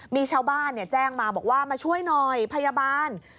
มีชาวบ้านแจ้งมาบอกว่ามาช่วยหน่อยพยาบาล